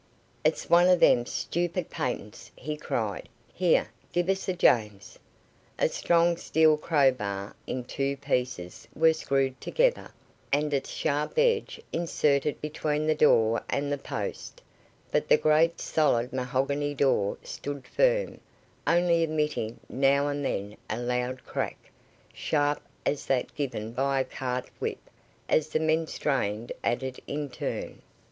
"It's one of them stoopid patents," he cried. "Here, give us a james." A strong steel crowbar in two pieces was screwed together, and its sharp edge inserted between the door and the post, but the great, solid mahogany door stood firm, only emitting now and then a loud crack, sharp as that given by a cart whip, as the men strained at it in turn.